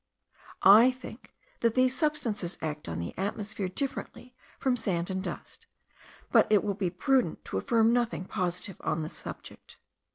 I think that these substances act on the atmosphere differently from sand and dust; but it will be prudent to affirm nothing positively on this subject.